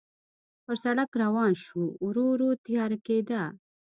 پر سړک روان شوو، ورو ورو تیاره کېده.